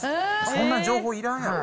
そんな情報いらんやろ。